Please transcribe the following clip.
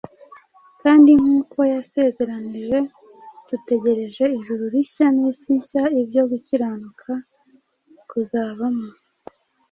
Kandi nk’uko yasezeranije, dutegereje ijuru rishya n’isi nshya, ibyo gukiranuka kuzabamo